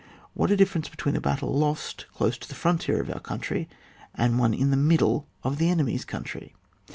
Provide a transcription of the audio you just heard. What a difference between a battle lost close to the frontier of our country and one in the middle of the enemy's country